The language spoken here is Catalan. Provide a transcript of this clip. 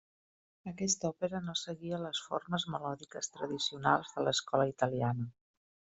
Aquesta òpera no seguia les formes melòdiques tradicionals de l'escola italiana.